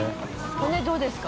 骨どうですか？